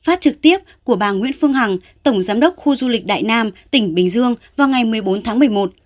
phát trực tiếp của bà nguyễn phương hằng tổng giám đốc khu du lịch đại nam tỉnh bình dương vào ngày một mươi bốn tháng một mươi một